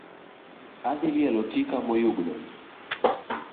Adhi lielo tika moyugno ni